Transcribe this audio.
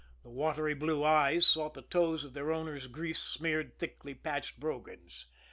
The watery blue eyes sought the toes of their owner's grease smeared, thickly patched brogans.